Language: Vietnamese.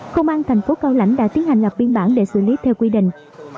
công an thành phố cao lãnh đã tiến hành lập biên bản để xử lý theo quy định